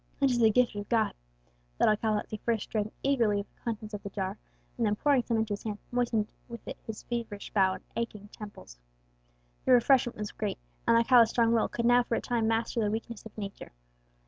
"It is the gift of God," thought Alcala, as he first drank eagerly of the contents of the jar, and then pouring some into his hand, moistened with it his feverish brow and aching temples. The refreshment was great, and Alcala's strong will could now for a time master the weakness of nature.